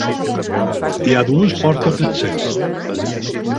Hi ha dues portes d'accés.